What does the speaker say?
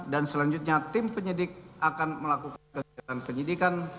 dan selanjutnya tim penyelidik akan melakukan penyelidikan